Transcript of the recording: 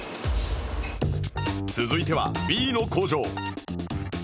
続いては Ｂ の工場